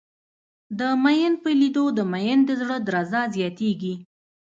د ميئن په لېدو د ميئن د زړه درزه زياتېږي.